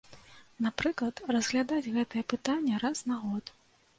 Напрыклад, разглядаць гэтае пытанне раз на год.